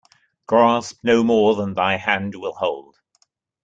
Grasp no more than thy hand will hold.